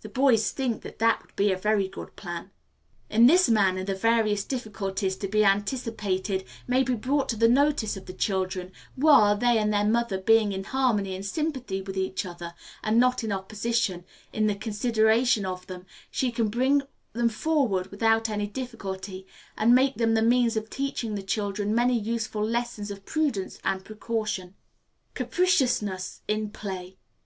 The boys think that that would be a very good plan. In this manner the various difficulties to be anticipated may be brought to the notice of the children, while, they and their mother being in harmony and sympathy with each other and not in opposition in the consideration of them, she can bring them forward without any difficulty, and make them the means of teaching the children many useful lessons of prudence and precaution. Capriciousness in Play.